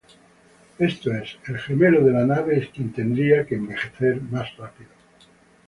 Esto es, el gemelo de la nave es quien tendría que envejecer más rápido.